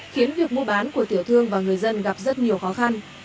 khiến việc mua bán của tiểu thương và người dân gặp rất nhiều khó khăn